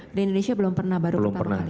grand indonesia belum pernah baru berapa kali